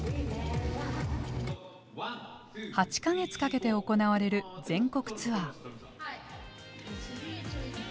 ８か月かけて行われる全国ツアー。